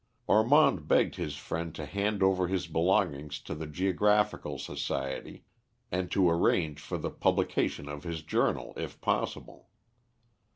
Ormond begged his friend to hand over his belongings to the Geographical Society, and to arrange for the publication of his journal, if possible.